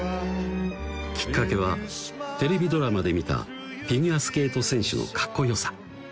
きっかけはテレビドラマで見たフィギュアスケート選手のかっこよさ